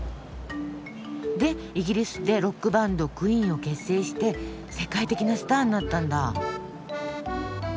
でイギリスでロックバンドクイーンを結成して世界的なスターになったんだ。